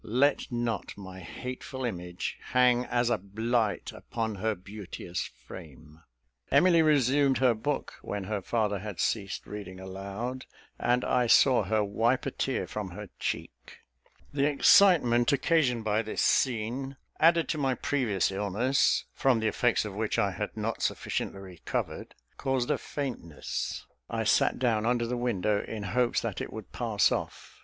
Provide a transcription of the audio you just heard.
Let not my hateful image hang as a blight upon her beauteous frame." Emily resumed her book, when her father had ceased reading aloud; and I saw her wipe a tear from her cheek. The excitement occasioned by this scene, added to my previous illness, from the effects of which I had not sufficiently recovered, caused a faintness; I sat down under the window, in hopes that it would pass off.